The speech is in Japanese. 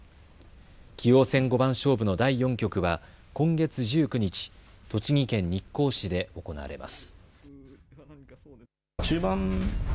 棋王戦五番勝負の第４局は今月１９日、栃木県日光市で行われます。